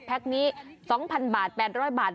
แพ็กนี้๒๐๐๐บาท๘๐๐บาท